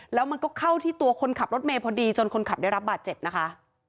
แล้วมันก็เข้าที่ตัวคนขับรถเมย์พอดีจนคนขับได้รับบาดเจ็บนะคะ